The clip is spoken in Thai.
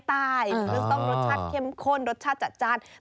คือต้องรสชาติเข้มข้นรสชาติจัด